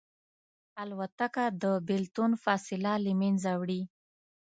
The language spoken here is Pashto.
الوتکه د بېلتون فاصله له منځه وړي.